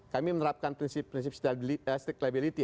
kami menerapkan prinsip prinsip strict liability